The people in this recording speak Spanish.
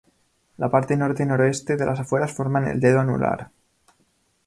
La parte norte-noroeste de las afueras forman el dedo anular.